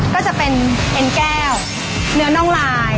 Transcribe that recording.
ก็จะเป็นเอ็นแก้วเนื้อน่องลาย